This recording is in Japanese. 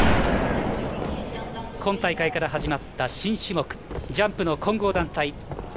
今大会から始まった新種目ジャンプの混合団体。